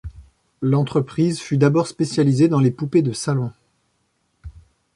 L'entreprise fut d'abord spécialisée dans les poupées de salon.